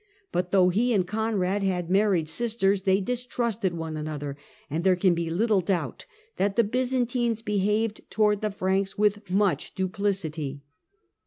but though he and Conrad had married sisters, they distrusted one another, and there can be little doubt that the Byzantines behaved towards the Franks with much duplicity.